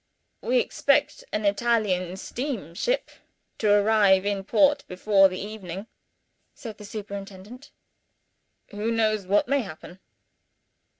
"We expect an Italian steam ship to arrive in port before the evening," said the superintendent. "Who knows what may happen?"